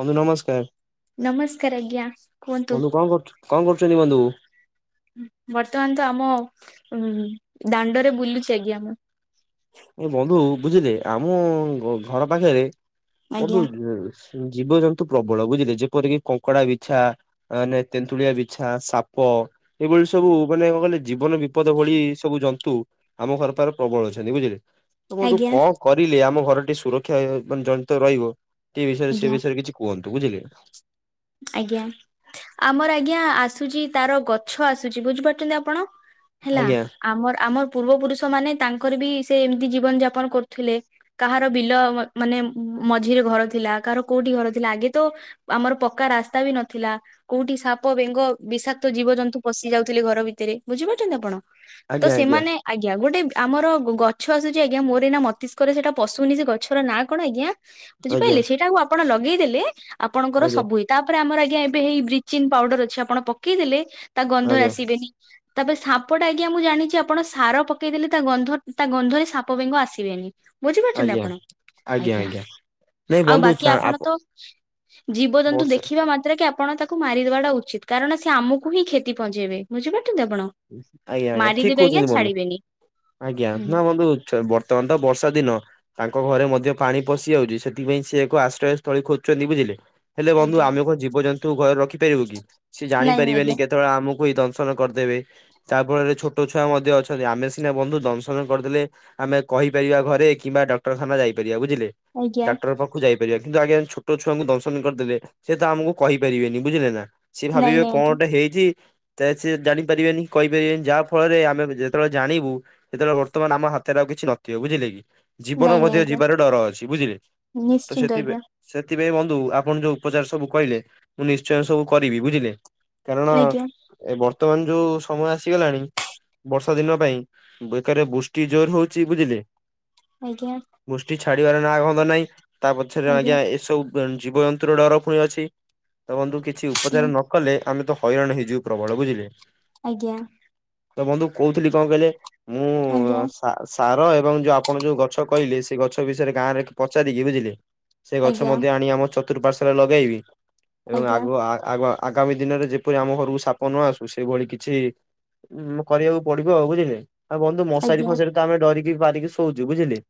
ବନ୍ଧୁ ନମସ୍କାର୍। ନମସ୍କାର୍ ଆଜ୍ଞା କୁହନ୍ତୁ? କଣ କରୁଛୁ କଣ କର୍ଚତି ବନ୍ଧୁ? ବର୍ତ୍ତମାନ୍ ତ ଆମ ଉଁ ଦାଣ୍ଡରେ ବୁଲୁଛି ଆଜ୍ଞା ମୁଁ। ଏ ବନ୍ଧୁ ବୁଝିଲେ ଆମ ଘ ଘର ପାଖେରେ ବନ୍ଧୁ ଆଜ୍ଞା ଜୀବଜନ୍ତୁ ପ୍ରବଳ ବୁଝିଲେ ଯେପରିକି କଙ୍କଡା ବିଛା ମାନେ ତେନ୍ତୁଳିଆ ବିଛା ସାପ ଏଇଭଳି ସବୁ ମାନେ କଣ କହିଲ ଜୀବନ ବିପଦ ଭଳି ସବୁ ଜନ୍ତୁ ଆମଘର ପାଖରେ ପ୍ରବଳ ଅଛନ୍ତି ବୁଝିଲେ? ତ ବନ୍ଧୁ ଆଜ୍ଞା ଙ୍କ କରିଲେ ଆମଘରଟି ସୁରକ୍ଷା ଏ ଜନ୍ତ ରହିବ କି ବିଷୟରେ ସେ ଆଜ୍ଞା ବିଷୟରେ କିଛି କୁହନ୍ତୁ ବୁଝିଲେ? ଆଜ୍ଞା ଆମର ଆଜ୍ଞା ଆସୁଛି ତାର ଗଛ ଆସୁଛି ବୁଝିପାର୍ଛନ୍ତି ଆପଣ? ହେଲା ଆଜ୍ଞା ଆମର୍ ଆମର ପୂର୍ବ ପୁରୁଷ ମାନେ ତାଙ୍କର ବି ସେ ଏମ୍ତି ଜୀବନ୍ ଯାପନ୍ କର୍ଥିଲେ। କାହାର ବିଲମାନେ ମଝିରେ ଘର ଥିଲା କାହାର କୋଉଠି ଘର ଥିଲା ଆଗେ ତ ଆମର ପ କା ରାସ୍ତା ବି ନଥିଲା। କୋଉଠି ସାପ ବେଙ୍ଗ ବିଷାକ୍ତ ଜୀବଜନ୍ତୁ ପଶି ଯାଉଥିଲେ ଘର ଭିତରେ ବୁଝିପାର୍ଛନ୍ତି ଆପଣ? ତ ଆଜ୍ଞା ଆଜ୍ଞା ସେମାନେ ଆଜ୍ଞା ଗୋଟେ ଆମର ଗଛ ଆସୁଛି ଆଜ୍ଞା ମୋର ଏଇନା ମତିଷ୍କରେ ସେଇଟା ପଶୁନି ସେ ଗଛର ନାଁ କଣ ଆଜ୍ଞା। ଆଜ୍ଞା ବୁଝିପାଇଲେ ସେଇଟାକୁ ଆପଣ ଲଗେଇଦେଲେ ଆପଣଙ୍କର ଆଜ୍ଞା ସବୁ ହେଇ ତାପରେ ଆମର ଆଜ୍ଞା ଏବେ ହେଇ ବ୍ଲିଚିଂଙ୍ଗ୍ ପାଉଡର ଅଛି ଆପଣ ପକେଇଦେଲେ ତା ଗନ୍ଧ ଆଜ୍ଞା ଆସିବେନି। ତାପରେ ସାପଟା ଆଜ୍ଞା ମୁଁ ଜାଣିଛି ଆପଣ ସାର ପକେଇଦେଲେ ତା ଗନ୍ଧ ତା ଗନ୍ଧରେ ସାପ, ବେଙ୍ଗ ଆସିବେନି। ବୁଝିପାର୍ଛନ୍ତି ଆଜ୍ଞା ଆପଣ ଆଜ୍ଞା। ନାଇଁ ଆଉ ବନ୍ଧୁ ବାକି ଚା- ଆପଣ ଆପ- ତ ଜୀବଜନ୍ତୁ ବର୍ଷା ଦେଖିବେ ଦେଖିଲାମାତ୍ରାକେ ଆପଣ ତାକୁ ମାରିଦେବାଟା ଉଚିତ୍ କାରଣ ସେ ଆମକୁ ହିଁ କ୍ଷତି ପହଞ୍ଚେଇବେ। ବୁିଝିପାରୁଛନ୍ତି ଆପଣ? ଆଜ୍ଞା ଆଜ୍ଞା ଠିକ୍ ମାରିଦେବେ ଆଜ୍ଞା କହୁଛନ୍ତି ବନ୍ଧୁ ଛାଡିବେନି ଆଜ୍ଞା ହୁଁ, ନା ବନ୍ଧୁ ଥ ବ୍ରତ୍ ତନ୍ଦ ବର୍ଷା ଦିନ ତାଙ୍କ ଘରେ ମଧ୍ୟ ପାଣି ପଶିଯାଉଛି ସେଥିପାଇଁ ସେ ଏକ ଆଶ୍ରୟସ୍ଥଳୀ ଖୋଜ୍ଛନ୍ତି ବୁଝିଲେ? ହେଲେ ବନ୍ଧୁ ଆଜ୍ଞା। ଆମେ ଏକ ଜୀବଜନ୍ତୁ ଘରେ ରଖିପାରିବୁ କି ସେ ନାଇଁ ନାଇଁ ଜାଣିପାରିବେନି କେ ତ ଆମକୁ ହିଁ ଦଶନ କର୍ଦେବେ। ତା ଫଳରେ ଛୋଟ ଛୁଆ ମଧ୍ୟ ଅଛନ୍ତି ଆମେ ସିନା ବନ୍ଧୁ ଦଂଶନ କର୍ଦେଲେ ଆମେ କହିପାରିବା ଘରେ କିମ୍ବା ଡାକ୍ଟରଖାନା ଯାଇପାରିବା ବୁଝିଲେ ଆଜ୍ଞା ଡକ୍ଟର ପା କୁ ଯାଇପାରିବା କିନ୍ତୁ ଆଜ୍ଞା ଛୋଟ ଛୁଆଙ୍କୁ ଦର୍ଶନ କରିଦେଲେ ସେ ତ ଆମକୁ କହିପାରିବେନି ବୁଝିଲେ ନା? ସିଏ ଆଜ୍ଞା ନାଇଁ ଭାବିବେ ନାଇଁ ଆଜ୍ଞା କଣଟେ ହେଇଛି ତା ସିଏ ଜାଣିପାରିବେନି। କହିପାରିବେନି ଯାହା ଫଳରେ ଆମେ ଯେତେବେଳେ ଜାଣିବୁ ସେତେବେଳେ ବର୍ତ୍ତମାନ ଆମ ହାତରେ ଆଉ କିଛି ନଥିବ ବୁଝିଲେ କି। ଜୀବନ ନାଇଁ ନାଇଁ ମଧ୍ୟ ଆଜ୍ଞା ଯିବାର ଡର ଅଛି ବୁଝିଲେ। ତ ନିଶ୍ଚିନ୍ତ ସେଥିପାଇଁ ସେଥିପାଇଁ ବନ୍ଧୁ ଆପଣ ଯୋଉ ଉପଚାର ସବୁ କଇଲେ ମୁଁ ନିଶ୍ଚୟ ସବୁ କରିବି ବୁଝିଲେ। କାରଣ ଆଜ୍ଞା ଏ ବର୍ତ୍ତମାନ ଯୋଉ ସମୟ ଆସିଗଲାଣି ବର୍ଷା ଦିନ ପାଇଁ ବେକାରେ ବୃଷ୍ଟି ଜୋର୍ ହୋଉଛି ବୁଝିଲେ। ଆଜ୍ଞା। ବୃଷ୍ଟି ଛାଡିବାର ନାଁ ଗନ୍ଧ ନାଇଁ ତା ପଛରେ ଆଜ୍ଞା ଏସବୁ [unintelligible] ଜୀବଜନ୍ତୁର ଡର ପୁଣି ଅଛି ତ ବନ୍ଧୁ କିଛି ହୁଁ ଉପଚାର ନ କଲେ ଆମେ ତ ହଇରାଣ ହେଇଯିବୁ ପ୍ରବଳ ବୁଝିଲେ। ଆଜ୍ଞା। ତ ବନ୍ଧୁ କଉଥିଲି କଣ କଇଲେ? ଆଜ୍ଞା। ସା ସାର ଏବଂ ଯୋଉ ଆପଣ ଯୋଉ ଗଛ କଇଲେ ସେ ଗଛ ବିଷୟରେ ଗାଁରେ ପଚାରିକି ବୁଝିଲେ। ସେ ଗଛ ଆଜ୍ଞା ମଧ୍ୟ ଆଣି ଆମ ଚତୁଃପାର୍ଶରେ ଲଗେଇବି ଏବଂ ଆଜ୍ଞା ଆଗ ଆ ଆଗ ଆଗାମୀ ଦିନରେ ଯେପରି ଆମ ଘରକୁ ସାପ ନ ଆସୁ ସେଇଭଳି କି ଛି ଉଁ କରିବାକୁ ପଡିବ ଆଉ ବୁଝିଲେ। ଆଉ କୁହନ୍ତୁ ମଶାରି ଆଜ୍ଞା ଫସାରି ତ ଆମେ ଡରିକି ପାରିକି ଶୋଉଚୁ ବୁଝିଲେ।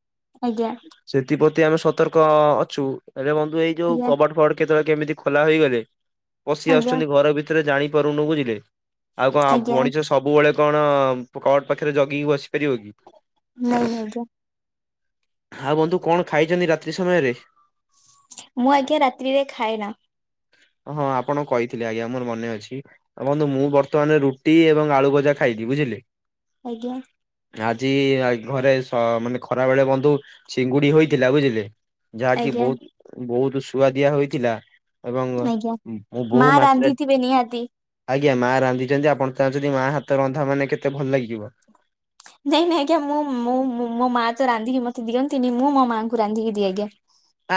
ଆଜ୍ଞା। ସେଥିପ୍ରତି ଆମେ ସତର୍କ ଅ ଅଛୁ। ଏବେ ବନ୍ଧୁ ଏଇ ଯୋଉ କବାଟ ଫବାଟ କେତେବେଳେ କେମିତି ଖୋଲା ହେଇଗଲେ ପଶି ଆଜ୍ଞା ଆଜ୍ଞା ଆସୁଛନ୍ତି ଘର ଭିତରେ ଜାଣି ପାରୁନୁ ବୁଝିଲେ। ଆଉ କଣ ଆଜ୍ଞା ମଣିଷ ସବୁବେଳେ କଣ କ କବାଟ ପାଖରେ ଜଗିିକି ବସି ପାରିବ କି। ନାଇଁ ଆଜ୍ଞା। ହଁ ବନ୍ଧୁ କଣ ଖାଇଚନ୍ତି ରାତ୍ରି ସମୟରେ। ମୁଁ ଆଜ୍ଞା ରାତ୍ରିରେ ଖାଏ ନା। ହଁ ଆପଣ କହିଥିଲେ ଆଜ୍ଞା ମୋର ମନେ ଅଛି ଆଉ ବନ୍ଧୁ ମୁଁ ବର୍ତ୍ତ ବର୍ତ୍ତମାନ୍ ରୁଟି ଏବଂ ଆଳୁ ଭଜା ଖାଇବି ବୁଝିଲେ। ଆଜ୍ଞା। ଆଜି ଆ ଘରେ ସ ମାନେ ଖରା ବେଳେ ବନ୍ଧୁ ଚିଙ୍ଗୁଡି ହୋଇଥିଲା ବୁଝିଲେ। ଯାହାକି ଆଜ୍ଞା ବହୁତ୍ ବହୁତ୍ ଶୁଆଦିଆ ହୋଇଥିଲା। ଏବଂ ଉଁ ଆଜ୍ଞା ମୁଁ ମା ବହୁ ମାତ୍ରାରେ ରାନ୍ଧିଥିବେ ନିହାତି ଆଜ୍ଞା ମା ରାନ୍ଧିଚନ୍ତି ଆପଣ ଚାହୁଁଚନ୍ତି ମା ହାତ ରନ୍ଧା ମାନେ କେତେ ଭଲ ଲାଗିବ। ନାଇଁ ନାଇଁ ଆଜ୍ଞା ମୁଁ ମୁଁ ମୁଁ ମୋ ମା ତ ରାନ୍ଧିକି ମତେ ଦିଅନ୍ତିନି ମୁଁ ମୋ ମାଆଙ୍କୁ ରାନ୍ଧିକି ଦିଏ ଆଜ୍ଞା।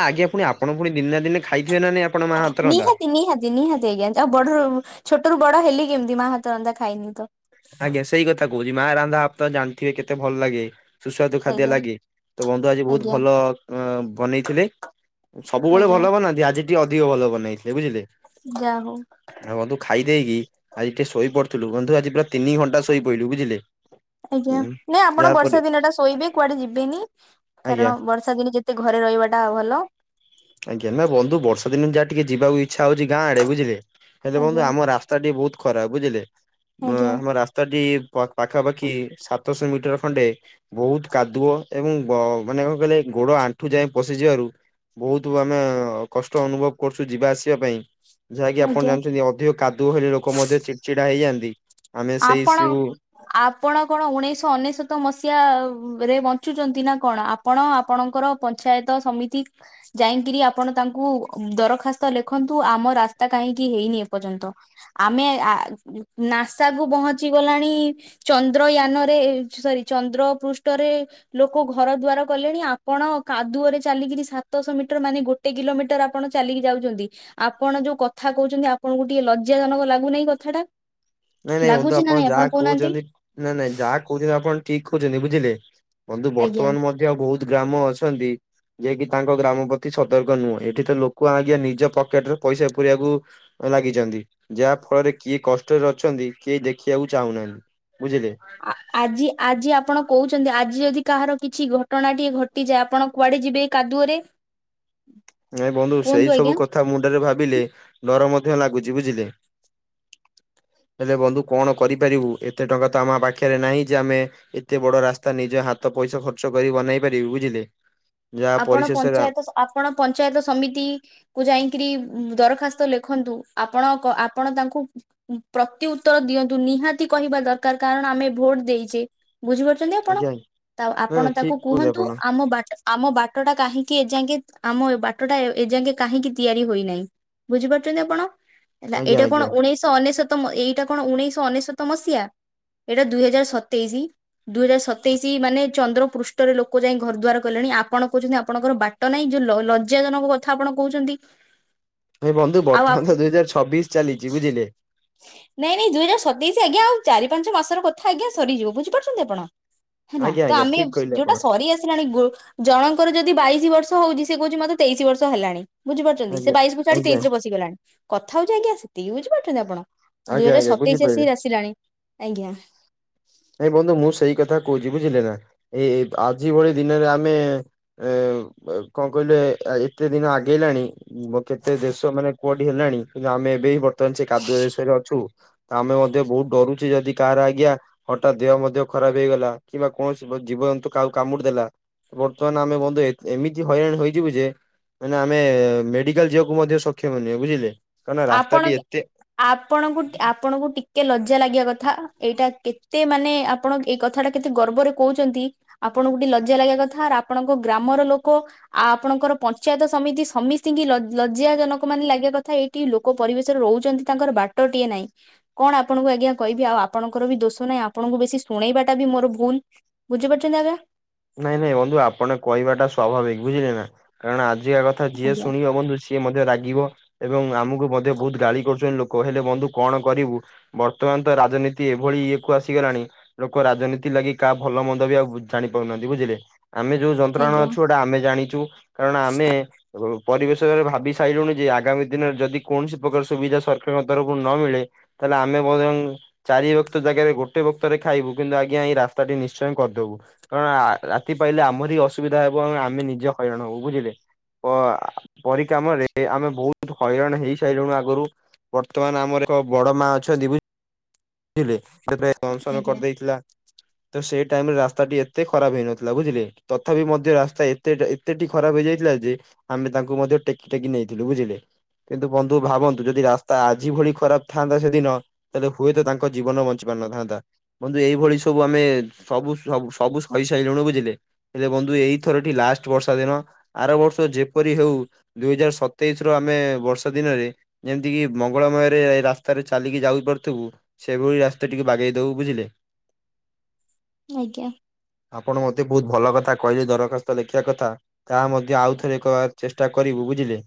ଆଜ୍ଞା ପୁଣି ଆପଣ ପୁଣି ଦିନେ ନା ଦିନେ ଖାଇଥିବେ ନା ନାଇଁ ଆପଣ ମା ହାତରନ୍ଧା। ଦି ନିହାତି ଆଜ୍ଞା ଆଉ ବଡରୁ ଛୋଟ ରୁ ବଡ ହେଲି କେମିତି ମା ହାତ ରନ୍ଧା ଖାଇନି ତ। ଆଜ୍ଞା ସେଇ କଥା କହୁଛି ମା ରାନ୍ଧା ଆପଣ ଜାଣିଥିବେ କେତେ ଭଲ ଲାଗେ। ସୁସ୍ୱାଦୁ ଖାଦ୍ୟ ଆଜ୍ଞା ଲାଗି ତ ବନ୍ଧୁ ଆଜି ବହୁତ ଆଜ୍ଞା ଭଲ ବ-ବନେଇଥିଲେ। ସବୁବେଳେ ଆଜ୍ଞା ଭଲ ବନାନ୍ତି ଆଜି ଟିକେ ଅଧିକ ଭଲ ବନେଇଥିଲେ ବୁଝିଲେ। ଯା ହୋଉ। ଆଉ ବନ୍ଧୁ ଖାଇ ଦେଇକି ଆଜି ଟିକେ ଶୋଇ ପଡୁଥିଲୁ ବନ୍ଧୁ ଆଜି ପୁରା ତିନି ଘଣ୍ଟା ଶୋଇ ପଇଲୁ ବୁଝିଲେ। ଆଜ୍ଞା ନାଇଁ ଆପଣ ଯାହାପରେ ବର୍ଷା ଦିନ ଟା ଶୋଇବେ କୁଆଡେ ଯିବେନି। ଆଜ୍ଞା କାରଣ ବର୍ଷା ଦିନେ ଯେତେ ଘରେ ରହିବାଟା ଭଲ। ଆଜ୍ଞା ନା ବନ୍ଧୁ ବର୍ଷା ଦିନ ଯାହା ଟିକେ ଯିବାକୁ ଇଚ୍ଛା ହଉଚି ଗାଁ ଆଡେ ବୁଝିଲେ ହେଲେ ବନ୍ଧୁ ଆଜ୍ଞା ଆମ ରା ସ୍ତା ଟିକେ ବହୁତ ଖରାପ ବୁଝିଲେ। ଆଜ୍ଞା ଆମ ରାସ୍ତାଟି ପାଖାପାଖି ସାତଶ ମିଟର ଖଣ୍ଡେ ବହୁତ କାଦୁଅ ଏବଂ ବ ମାନେ କଣ କହିଲେ ଗୋଡ ଆଣ୍ଠୁ ଯାଏ ପଶିଯିବାରୁ ବହୁତ ଆମେ କଷ୍ଟ ଅନୁଭବ କରୁଛୁ ଯିବା ଆସିବା ପାଇଁ ଯାହାକି ଆପଣ ଆଜ୍ଞା ଜାଣିଛନ୍ତି ଅଧିକ କାଦୁଅ ହେଲେ ଲୋକ ମଧ୍ୟ ଚିଡ଼ଚିଡା ହେଇଯାଆନ୍ତି ଆମେ ସେଇ ଆପଣ ସବୁ ଆପଣ କଣ ଉଣେଇଶହ ଅନେଶତ ମସିହା ରେ ବଞ୍ଚୁଛନ୍ତି ନା କଣ ଆପଣ ଆପଣଙ୍କର ପଞ୍ଚାୟତ ସମିତି ଯାଇକିରି ଆପଣ ତାଙ୍କୁ ଦରଖାସ୍ତ ଲେଖନ୍ତୁ ଆମ ରାସ୍ତା କାହିଁକି ହେଇନି ଏପର୍ଯ୍ୟନ୍ତ ଆମେ ନାସା କୁ ପହଞ୍ଚିଗଲାଣି ଚନ୍ଦ୍ରୟାନରେ ସରି ଚନ୍ଦ୍ର ପୃଷ୍ଠରେ ଲୋକ ଘର ଦୁଆର କଲେଣି ଆପଣ କାଦୁଅରେ ଚାଲିକିରି ସାତଶହ ମିଟର ମାନେ ଗୋଟେ ଗୋଟେ କିଲୋମିଟର ଆପଣ ଚାଲିକି ଯାଉଛନ୍ତି ଆପଣ ଯୋଉ କଥା କହୁଛନ୍ତି ଆପଣଙ୍କୁ ଟିକେ ଲଜ୍ଜାଜନକ ଲାଗୁନାହିଁ କଥା ଟା ନାଇଁ ନାଇଁ ବନ୍ଧୁ ଆପଣ ଯାହା କହୁଛନ୍ତି ନାଇଁ ନାଇଁ ଯାହା କହୁଛନ୍ତି ଆପଣ ଠିକ କହୁଛନ୍ତି ବୁଝିଲେ ବନ୍ଧୁ ଆଜ୍ଞା। ବର୍ତ୍ତମାନ ମ [unintelligible] ବହୁତ ଗ୍ରାମ ଅଛନ୍ତି ଯିଏ କିି ତାଙ୍କ ଗ୍ରାମ ପ୍ରତି ସତର୍କ ନୁହେଁ ଏଠି ତ ଲୋକ ଆଜ୍ଞା ନିଜ ପକେଟରେ ପଇସା ପୁୁରେଇବାକୁ ଲାଗିଛନ୍ତି ଯାହା ଫଳରେ କିଏ କଷ୍ଟରେ ଛନ୍ତି କେହି ଦେଖିବାକୁ ଚାହୁଁନାହାନ୍ତି ବୁଝିଲେ ଆଜି ଆଜି ଆପଣ କହୁଛନ୍ତି ଆଜି ଯଦି କାହାର କିଛି ଘଟଣା ଟିଏ ଘଟିଯାଏ ଆପଣ କୁଆଡେ ଯିବେ? କାଦୁଅରେ ନାଇଁ ବନ୍ଧୁ କୁହନ୍ତୁ ସେଇ ଆଜ୍ଞା ସବୁ କଥା ମୁଣ୍ଡରେ ଭାବିଲେ ଡର ମଧ୍ୟ ଲାଗୁଛି ବୁଝିଲେ ହେଲେ ବନ୍ଧୁ କଣ କରିପାରିବୁ ଏତେ ଟଙ୍କା ତ ଆମ ପାଖରେ ନାହିଁ ଯେ ଆମେ ଏତେ ବଡ ରାସ୍ତା ନିଜ ହାତ ପଇସା ଖର୍ଚ୍ଚ କରି ବନେଇ ପାରିବୁ ବୁଝିଲେ ଯାହା ଆପଣ ପରିଶେଷରେ ପଞ୍ଚାୟତ ଆପଣ ପଞ୍ଚାୟତ ସମିତି କୁ ଯାଇକିରି ଦରଖାସ୍ତ ଲେଖନ୍ତୁ ଆପଣକ ଆପଣ ତାଙ୍କୁ ପ୍ରତି ଉତ୍ତର ଦିଅନ୍ତୁ ନିହାତି କହିବା ଦରକାର କାରଣ ଆମେ ଭୋଟ ଦେଇଛେ ବୁଝିପାରୁଛନ୍ତି ଆପଣ ଆଜ୍ଞା। ତା ନାଇଁ ନାଇଁ ଆପଣ ତାକୁ ଠିକ କୁହନ୍ତୁ ଆପଣ ଆମ ବାଟ ଆମ ବାଟ ଟା କାହିଁକି ଏଯାଙ୍କେ ଆମ ବାଟ ଟା ଏଯାଙ୍କେ କାହିଁକି ତିଆରି ହୋଇନାହିଁ? ବୁଝିପାରୁଛନ୍ତି ଆପଣ ହେଲା ଆଜ୍ଞା ଏଇଟା କଣ ଆଜ୍ଞା ଉଣେଇଶି ଅନେଶତ ଏଇଟା କଣ ଉଣେଇଶହ ଅନେଶତ ମସିହା ଏଇଟା ଦୁଇ ହଜାର ସତେଇଶି ଦୁଇ ହଜାର ସତେଇଶି ମାନେ ଚନ୍ଦ୍ର ପୃଷ୍ଠରେ ଲୋକ ଯାଇ ଘର ଦ୍ୱାର କଲେଣି ଆପଣ କହୁଛନ୍ତି ଆପଣଙ୍କର ବାଟ ନାଇଁ ଯୋଉ ଲଜ୍ଜାଜନକ କଥା ଆପଣ କହୁଛନ୍ତି ଏ ବନ୍ଧୁ ଆଉ ବର୍ତ୍ତମାନ ଆପ- ତ ଦୁଇ ହଜାର ଛବିଶ ଚାଲିଛି ବୁଝିଲେ ନାଇଁ ନାଇଁ ଦୁଇଜାର ସତେଇଶ ଆଜ୍ଞା ଆଉ ଚାରି ପାଞ୍ଚ ମାସର କଥା ଆଜ୍ଞା ସରିଯିବ ବୁଝିପାରୁଛନ୍ତି ଆପଣ? ହେଲା ଆଜ୍ଞା ତ ଆଜ୍ଞା ଆମେ ଠିକ କହିଲେ ଯୋଉଟା ଆପଣ ସରି ଆସିଲାଣି ଜଣଙ୍କର ଯଦି ବାଇଶି ବର୍ଷ ହଉଛି ସେ କହୁଛି ମତେ ତେଇଶି ବର୍ଷ ହେଲାଣି ବୁଝିପାରୁଛନ୍ତି ସେ ଆଜ୍ଞା ବାଇଶ କୁ ଛାଡି ଆଜ୍ଞା ତେଇଶ ରେ ବଶିଗଲାଣି କଥା ହଉଛି ଆଜ୍ଞା ସେତିକି ବୁଝିପାରୁଛନ୍ତି ଆପଣ ଦୁଇ ଆଜ୍ଞା ହଜାର ଆଜ୍ଞା ସତେଇଶ ବୁଝିପାରିଲି। ଆସିକିରି ଆସିଲାଣି ଆଜ୍ଞା। ନାଇଁ ବନ୍ଧୁ ମୁଁ ସେଇ କଥା କହୁଛି ବୁଝିଲେ ନା ଏଇ ଆଜି ଭଳି ଦିନରେ ଆମେ ଏ କଣ କହିଲେ ଏତେ ଦିନ ଆଗେଇଲାଣି ମୋ କେତେ ଦେଶ ମାନେ କୋଉଠି ହେଲାଣି କିନ୍ତୁ ଆମେ ଏବେ ହିଁ ବର୍ତ୍ତମାନ ସେ କାଦୁଅ ଦେଶରେ ଅଛୁ ଆମେ ମଧ୍ୟ ବହୁତ ଡରୁଛେ ଯଦି କାହାର ଆଜ୍ଞା ହଠାତ୍ ଦେହ ମଧ୍ୟ ଖରାପ ହେଇଗଲା କିମ୍ବା କୌଣସି ଜୀବଜନ୍ତୁ କାହାକୁ କାମୁଡି ଦେଲା ବର୍ତ୍ତମାନ ଆମେ ବନ୍ଧୁ ଏମିତି ହଇରାଣ ହୋଇଯିବୁ ଯେ ମାନେ ଆମେ ମେଡିକାଲ୍ ଯିବାକୁ ମଧ୍ୟ ସକ୍ଷମ ନୁହେଁ ବୁଝିଲେ। କାରଣ ଆପଣ ରାସ୍ତାଟି ଏତେ ଆପଣଙ୍କୁ ଆପଣଙ୍କୁ ଟିକେ ଲଜ୍ୟା ଲାଗିବା କଥା ଏଇଟା କେ କେତେ ମାନେ ଆପଣ ଏଇ କଥା ଟା କେତେ ଗର୍ବରେ କହୁଛନ୍ତି ଆପଣଙ୍କୁ ଟିକେ ଲଜ୍ୟା ଲାଗିବା କଥା ଆପଣଙ୍କ ଗ୍ରାମର ଲୋକ ଆଉ ଆପଣଙ୍କର ପଞ୍ଚାୟତ ସମିତି ସମିସ୍ତିଙ୍କି କି ଲଜ୍ଜା ଜନକ ମାନେ ଲାଗିବା କଥା ଏଇଠ ଟି ଲୋକ ପରିବେଶରେ ରହୁଛନ୍ତି ତାଙ୍କର ବାଟଟିଏ ନାହିଁ। କଣ ଆପଣଙ୍କୁ ଆଜ୍ଞା କହିବି ଆଉ ଆପଣଙ୍କର ବି ଦୋଷ ନାହିଁ ଆପଣଙ୍କୁ ବେଶୀ ଶୁଣେଇବା ଟା ବି ମୋର ଭୁଲ୍ ବୁଝିପାରୁଛନ୍ତି ଆଜ୍ଞା। ନାଇଁ ନାଇଁ ବନ୍ଧୁ ଆପଣ କହିବା ଟା ସ୍ୱାଭାବିକ ବୁଝିଲେ ନା କାରଣ ଆଜିକା କଥା ଯିଏ ଶୁଣିବ ବନ୍ଧୁ ସିଏ ମଧ୍ୟ ରାଗିବ ଏବଂ ଆମକୁ ମଧ୍ୟ ବହୁତ ଗାଳି କରୁଛନ୍ତି ଲୋକ ହେଲେ ବନ୍ଧୁ କଣ କରିବୁ। ବର୍ତ୍ତମାନ୍ ତ ରାଜନୀତି ଏଭଳି ଇଏକୁ ଆସିଗଲାଣି ଲୋକ ରାଜନୀତି ଲାଗି କାହା ଭଲ ମନ୍ଦ ବି ଆଉ ବୁ ଜାଣି କରୁ ନାହାନ୍ତି ବୁଝିଲେ ଆମେ ଯୋଉ ଯନ୍ତ୍ରଣା ଆଜ୍ଞା ଆଜ୍ଞା ଅଛୁଟା ଆମେ ଜାଣିଛୁ କାରଣ ଆମେ ଏବଂ ପରିବେଶରେ ଭାବି ସାରିଲୁଣି ଯେ ଆଗାମୀ ଦିନରେ ଯଦି କୌଣସି ପ୍ରକାର ସୁବିଧା ସରକାରଙ୍କ ତରଫରୁ ନ ମିଳେ ତାହେଲେ ଆମେ ମଧ୍ୟ ଚାରି ବକ୍ତ ଜାଗାରେ ଗୋଟେ ବକ୍ତରେ ଖାଇବୁ କିନ୍ତୁ ଆଜ୍ଞା ଏଇ ରାସ୍ତାଟି ନିଶ୍ଚୟ କରିଦେବୁ। କାରଣ ରାତି ପାଇଲେ ଆମର ହି ଅସୁବିଧା ହେବ ଆମେ ନିଜ ହଇରାଣ ହବ ବୁଝିଲେ। ପରି କାମରେ ଆମେ ବହୁତ୍ ହଇରାଣ ହେଇସାରିଲୁଣିୁ ଆଗରୁ ବର୍ତ୍ତମାନ୍ ଆମର ଏକ ବଡ ମା ଅଛନ୍ତି ବୁ ବୁଝିଲେ କେତେ ଦଂଶନ କରିଦେଇଥିଲା। ତ ସେଇ ଟାଇମରେ ରାସ୍ତା ଟି ଏତେ ଖରାପ ହେଇନଥିଲା ବୁଝିଲେ ତଥାପି ମଧ୍ୟ ରାସ୍ତା ଏତେ ଏତେଟି ଖରାପ ହେଇଯାଇଥିଲା ଯେ ଆମେ ତାଙ୍କୁ ମଧ୍ୟ ଟେକି ଟେକି ନେଇଥିଲୁ ବୁଝିଲେ। କିନ୍ତୁ ବନ୍ଧୁ ଭାବନ୍ତୁ ଯଦି ରାସ୍ତା ଆଜି ଭଳି ଖରାପ ଥାନ୍ତା ସେଦିନ ତାହେଲେ ହୁଏତ ତାଙ୍କ ତାଙ୍କ ଜୀବନ ବଞ୍ଚି ପାରିନଥାନ୍ତା। ବନ୍ଧୁ ଏଇଭଳି ସବୁ ଆମେ ସବୁ ସବୁ ସବୁ ସହି ସାରିଲୁଣିୁ ବୁଝିଲେ। ହେଲେ ବନ୍ଧୁ ଏଇଥରଟି ଲାଷ୍ଟ ବର୍ଷା ଦିନ ଆର ବର୍ଷ ଯେପରି ହଉ ଦୁଇ ହଜାର ସତ ସତେଇଶ ର ଆମେ ବର୍ଷା ଦିନରେ ଯେମିତିକି ମଙ୍ଗଳମୟରେ ଏଇ ରାସ୍ତାରେ ଚାଲିକି ଯାଉପାରୁଥିବୁ ସେଭଳି ରାସ୍ତା ଟିକେ ବାଗେଇଦବୁ ବୁଝିଲେ। ଆଜ୍ଞା। ଆପଣ ମତେ ବହୁତ ଭଲ କଥା କହିଲେ ଦରଖାସ୍ତ ଲେଖିବା କଥା। ତାହା ମଧ୍ୟ ଆଉଥରେ ଏକ ଚେଷ୍ଟା କରିବୁ ବୁଝିଲେ।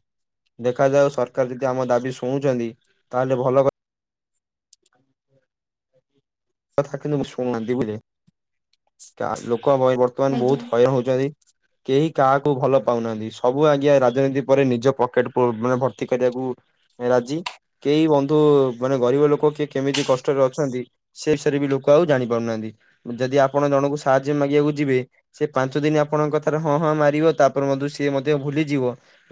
ଦେଖାଯାଉ ସରକାର ଯଦି ଆମ ଦାବି ଶୁଣୁଛନ୍ତି ତାହେଲେ ଭଲ କଥା। [inaudible] [inaudible] କଥା କିନ୍ତୁ ମୁ ଶୁଣୁନାହାନ୍ତି ବୁଝିଲେ ଗାଁ ଲୋକ ବର୍ତ୍ତମାନ୍ ଆଜ୍ଞା ବହୁତ୍ ହଇରାଣ ହଉଛନ୍ତି। କେହି କାହାକୁ ଭଲ ପାଉନାହାନ୍ତି ସବୁ ଆଜ୍ଞା ରାଜନୀତି ପରେ ନିଜ ପକେଟ ମାନେ ଭର୍ତ୍ତି କରିବାକୁ ରାଜି କେହି ବନ୍ଧୁ ମାନେ ଗରିବ ଲୋକ କିଏ କେମିତି କଷ୍ଟରେ ଅଛନ୍ତି ସେ ବିଷୟରେ ବି ଲୋକ ଆଉ ଜାଣିପାରୁନାହାନ୍ତି ଯଦି ଆପଣ ଜଣଙ୍କୁ ସାହାଯ୍ୟ ମାଗିବାକୁ ଯିବେ। ସେ ପାଞ୍ଚ ଦିନ ଆପଣଙ୍କ କଥାରେ ହଁ ହଁ ମାରିବ ତାପରେ ମଧ୍ୟ ସିଏ ମଧ୍ୟ ଭୁଲିଯିବ।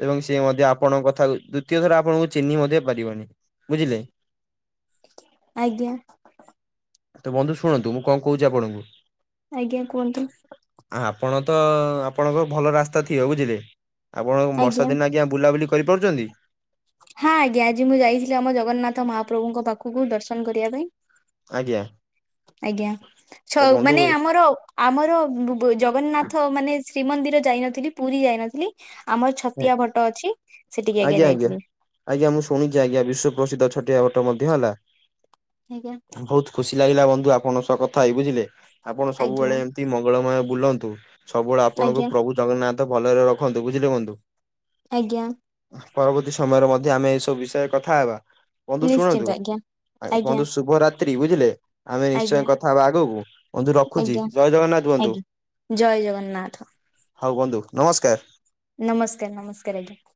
ଏବଂ ସିଏ ମଧ୍ୟ ଆପଣଙ୍କ କଥା କୁ ଦ୍ଵିତୀୟ ଥର ଆପଣଙ୍କୁ ଚିହ୍ନି ମଧ୍ୟ ପାରିବନି ବୁଝିଲେ। ଆଜ୍ଞା। ତ ବନ୍ଧୁ ଶୁଣନ୍ତୁ ମୁଁ କଣ କହୁଛି ଆପଣଙ୍କୁ। ଆଜ୍ଞା କୁହନ୍ତୁ। ଆଉ ଆପଣ ତ ଆପଣଙ୍କ ଭଲ ରାସ୍ତା ଥିବ ବୁଝିଲେ। ଆପଣ ବର୍ଷା ଦିନ ଆଜ୍ଞା ବୁଲାବୁଲି କରିପାରୁଛନ୍ତି? ହଁ ଆଜ୍ଞା ଆଜି ମୁଁ ଯାଇଥିଲି ଆମ ଜଗନ୍ନାଥ ମହାପ୍ରଭୁଙ୍କ ପାଖକୁ ଦର୍ଶନ କରିବା ପାଇଁ। ଆଜ୍ଞା। ଆଜ୍ଞା, ତ ଛ ବନ୍ଧୁ ମାନେ ଆମର ଆମର ବୁ ଜଗନ୍ନାଥ ମାନେ ଶ୍ରୀମନ୍ଦିର ଯାଇନଥିଲି ପୁରୀ ଯାଇନଥିଲି। ଆମର ଛତିଆ ଭଟ ଅଛି ସେଠିକି ଆଜ୍ଞା ଯାଇଥିଲି। ଆଜ୍ଞା ମୁଁ ଶୁଣିଚି ଆଜ୍ଞା ବିଶ୍ୱ ପ୍ର୍ରସିଦ୍ଧ ଛୋଟିଆ ବାଟ ମଧ୍ୟ ହେଲା? ଆଜ୍ଞା। ବହୁତ ଖୁସି ଲାଗିଲା ବନ୍ଧୁ ଆପଣଙ୍କ ସହ କଥା ହେଇ ବୁଝିଲେ ଆପଣ ଆଜ୍ଞା ସବୁବେଳେ ମଙ୍ଗଳମୟ ବୁଲନ୍ତୁ ସବୁବେଳେ ଆପଣଙ୍କୁ ଆଜ୍ଞା। ପ୍ରଭୁ ଜଗନ୍ନାଥ ଭଲରେ ରଖନ୍ତୁ ବୁଝିଲେ ବନ୍ଧୁ। ଆଜ୍ଞା। ପରବର୍ତ୍ତୀ ସମୟରେ ମଧ୍ୟ ଆମେ ଏଇସବୁ ବିଷୟରେ କଥା ହେବା। ବନ୍ଧୁ ନିଶ୍ଚିନ୍ତ ଶୁଣନ୍ତୁ ଆଜ୍ଞା ଆଜ୍ଞା ବନ୍ଧୁ ଶୁଭରାତ୍ରି ବୁଝିଲେ? ଆମେ ଆଜ୍ଞା ନିଶ୍ଚୟ କଥା ହବା ଆଗକୁ ବନ୍ଧୁ ରଖୁଚି ଆଜ୍ଞା ଜୟ ଜଗନ୍ନାଥ ବନ୍ଧୁ। ଆଜ୍ଞା। ଜୟ ଜଗନ୍ନାଥ। ହଉ ବନ୍ଧୁ ନମସ୍କାର। ନମସ୍କାର୍ ନମସ୍କାର୍ ଆଜ୍ଞା।